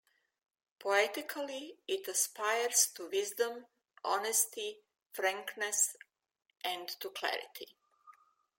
Poetically, it aspires to wisdom, honesty, frankness, and to clarity.